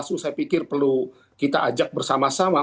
saya pikir perlu kita ajak bersama sama